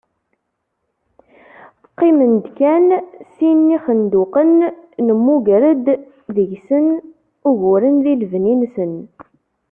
Qqimen-d kan sin n yixenduqen, nemmuger-d deg-sen uguren di lebni-nsen.